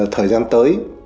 thời gian tới